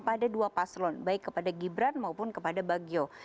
pada dua paslon baik kepada gibran maupun kepada bagio